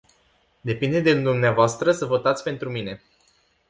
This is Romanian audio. Depinde de dumneavoastră să votați pentru mine.